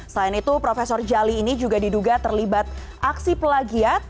selain itu profesor jali ini juga diduga terlibat aksi pelagiat